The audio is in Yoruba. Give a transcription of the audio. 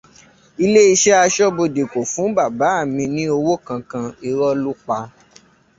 Ilé iṣẹ́ aṣọ́bodè kò fún bàbá mi ní owó kankan, iró ló pa.